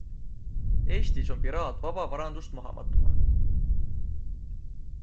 Eestis on piraat vaba varandust maha matma.